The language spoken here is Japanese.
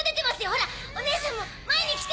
ほらおねえさんも前に来て。